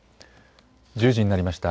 １０時になりました。